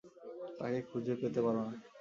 তাকে খুঁজে পেতে পারো, না?